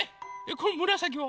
このむらさきは？